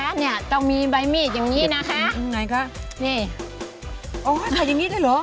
เนี้ยต้องมีใบหมีดอย่างงี้นะคะไหนคะนี่อ๋อใส่อย่างงี้ได้หรอ